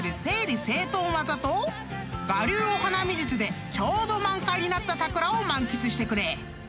［我流お花見術でちょうど満開になった桜を満喫してくれ］